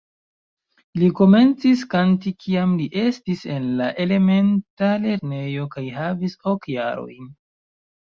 Li komencis kanti kiam li estis en la elementa lernejo kaj havis ok jarojn.